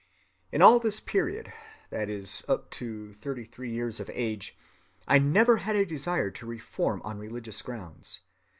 "In all this period, that is, up to thirty‐three years of age, I never had a desire to reform on religious grounds.